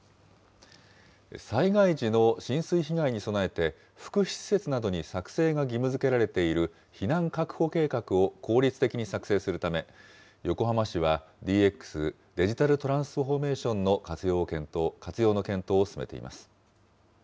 災害時の浸水被害に備えて、福祉施設などに作成が義務づけられている避難確保計画を効率的に作成するため、横浜市はＤＸ・デジタルトランスフォーメーションの活用の検討を進めています。